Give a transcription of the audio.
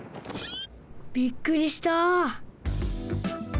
びっくりした！